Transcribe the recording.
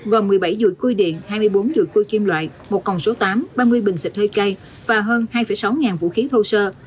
gồm một mươi bảy dùi khui điện hai mươi bốn dùi khui kim loại một còng số tám ba mươi bình xịt hơi cay và hơn hai sáu ngàn vũ khí thô sơ